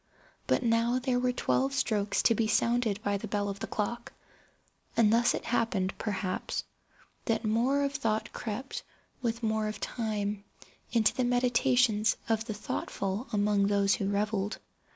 But now there were twelve strokes to be sounded by the bell of the clock; and thus it happened, perhaps, that more of thought crept, with more of time, into the meditations of the thoughtful among those who revelled.